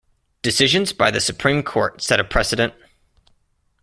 Decisions by the supreme court set a precedent.